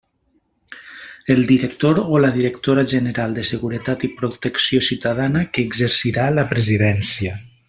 El director o la directora general de Seguretat i Protecció Ciutadana que exercirà la presidència.